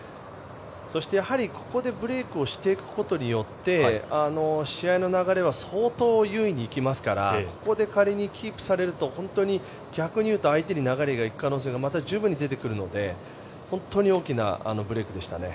そして、やはりここでブレークをしていくことによって試合の流れは相当優位にいきますからここで仮にキープされると逆に言うと相手に流れがいく可能性がまた十分に出てくるので本当に大きなブレークでしたね。